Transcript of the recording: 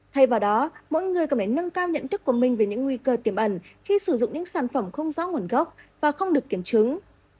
thay vào đó mỗi người cần phải nâng cao nhận thức của mình về những nguy cơ tiềm ẩn khi sử dụng những sản phẩm không rõ nguồn gốc và không được kiểm chứng